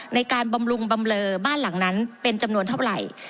บำรุงบำเลอบ้านหลังนั้นเป็นจำนวนเท่าไหร่